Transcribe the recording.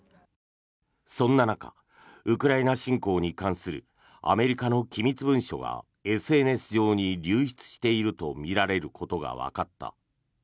そんな中ウクライナ侵攻に関するアメリカの機密文書がＳＮＳ上に流出しているとみられることがわかった。